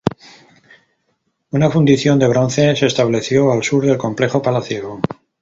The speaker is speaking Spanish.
Una fundición de bronce se estableció al sur del complejo palaciego.